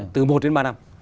từ một đến ba năm